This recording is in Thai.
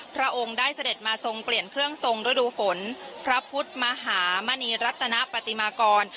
พระองค์ได้เสด็จมาทรงเปลี่ยนเครื่องทรงฤดูฝนพระพุทธมหามณีรัตนปฏิมากร